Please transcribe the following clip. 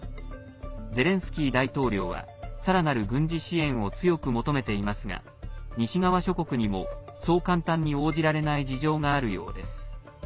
ゼレンスキー大統領はさらなる軍事支援を強く求めていますが西側諸国にもそう簡単に応じられない事情があるようです。